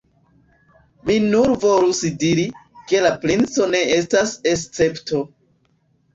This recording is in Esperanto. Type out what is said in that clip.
Mi nur volus diri, ke la princo ne estas escepto.